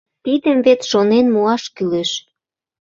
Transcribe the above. Тидым вет шонен муаш кӱлеш.